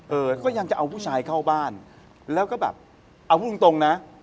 เออก็ยังจะเอาผู้ชายเข้าบ้านแล้วก็แบบเอาพูดตรงตรงนะ